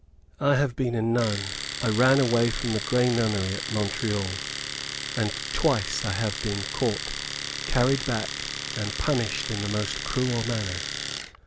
"I have been a nun. I ran away from the Grey Nunnery at Montreal, and twice I have been caught, carried back, and punished in the most cruel manner.